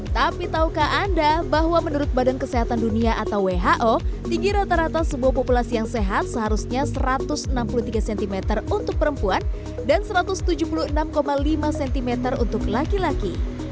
tapi taukah anda bahwa menurut badan kesehatan dunia atau who tinggi rata rata sebuah populasi yang sehat seharusnya satu ratus enam puluh tiga cm untuk perempuan dan satu ratus tujuh puluh enam lima cm untuk laki laki